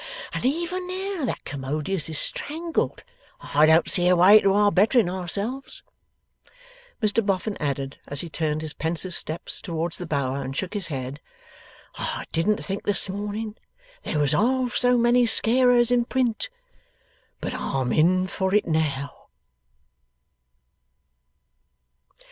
And even now that Commodious is strangled, I don't see a way to our bettering ourselves.' Mr Boffin added as he turned his pensive steps towards the Bower and shook his head, 'I didn't think this morning there was half so many Scarers in Print. But I'm in for it now!